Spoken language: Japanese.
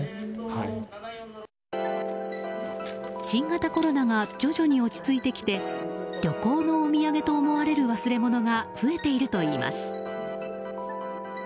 新型コロナが徐々に落ち着いてきて旅行のお土産と思われる忘れ物が増えているといいます。